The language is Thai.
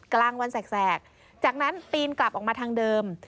กลางวันแสกจากนั้นปีนกลับออกมาทางเดิม